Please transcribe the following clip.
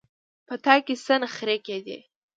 په تا کې څه نخرې کېدې.